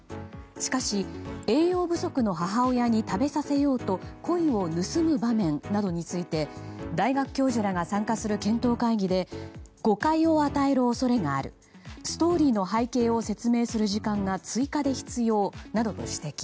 しかし、栄養不足の母親に食べさせようとコイを盗む場面などについて大学教授らが参加する検討会議で誤解を与える恐れがあるストーリーの背景を説明する時間が追加で必要などと指摘。